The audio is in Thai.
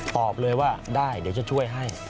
ตอบเลยว่าได้เดี๋ยวจะช่วยให้